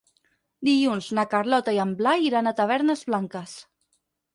Dilluns na Carlota i en Blai iran a Tavernes Blanques.